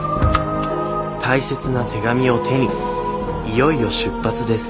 大切な手紙を手にいよいよ出発です！